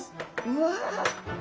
うわ！